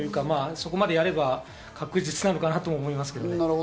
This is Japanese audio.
そこまでやれば確実なのかなと思いますけど。